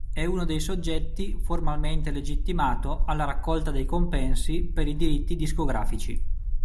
È uno dei soggetti formalmente legittimato alla raccolta dei compensi per i diritti discografici.